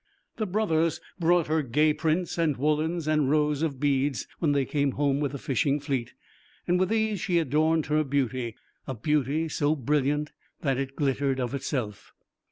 The brothers brought her gay prints and woollens and rows of beads when they came home with the fishing fleet, and with these she adorned her beauty a beauty so brilliant that it glittered of itself.